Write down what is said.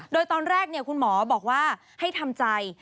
โดยตอนแรกคุณหมอบอกว่าให้ทำใจ